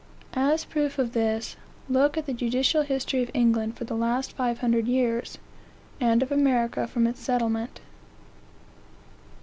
As proof of this, look at the judicial history of England for the last five hundred years, and of America from its settlement.